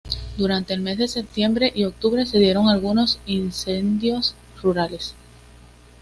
Durante el mes de septiembre y octubre se dieron algunos incendios rurales.